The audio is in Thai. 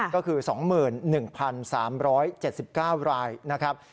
ก็คือ๒๑๓๗๙รายนะครับ